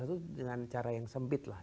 jangan melihat dengan cara yang sempit lah